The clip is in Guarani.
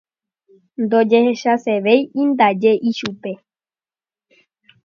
Ndohechasevéindaje ichupe.